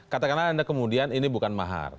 katakanlah anda kemudian ini bukan mahar